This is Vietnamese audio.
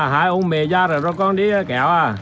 hai ông mẹ già rồi rồi con đi kẹo à